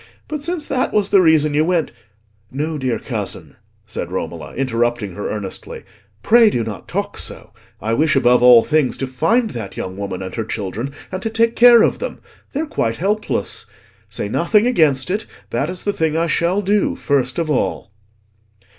But since that was the reason you went—" "No, dear cousin," said Romola, interrupting her earnestly, "pray do not talk so. I wish above all things to find that young woman and her children, and to take care of them. They are quite helpless. Say nothing against it; that is the thing I shall do first of all."